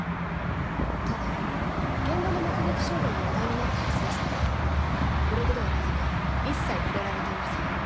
ただ現場の目撃証言が話題になったはずでしたがブログではなぜか一切触れられていません。